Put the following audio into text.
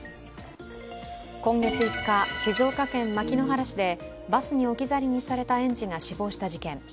今月５日、静岡県牧之原市でバスに置き去りにされた園児が死亡した事件。